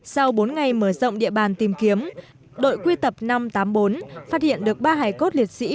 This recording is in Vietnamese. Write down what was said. sau bốn ngày mở rộng địa bàn tìm kiếm đội quy tập năm trăm tám mươi bốn phát hiện được ba hải cốt liệt sĩ